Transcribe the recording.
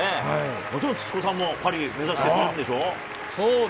もちろん土子さんもパリ目指してるんでしょう？